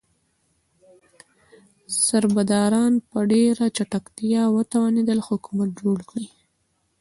سربداران په ډیره چټکتیا وتوانیدل حکومت جوړ کړي.